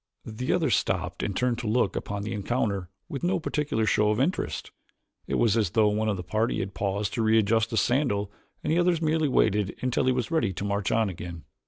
The others stopped and turned to look upon the encounter with no particular show of interest. It was as though one of the party had paused to readjust a sandal and the others merely waited until he was ready to march on again.